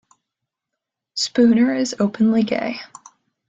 Spooner is openly gay.